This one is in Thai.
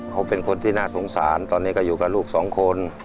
เขาเป็นคนที่น่าสงสารตอนนี้ก็อยู่กับลูกสองคน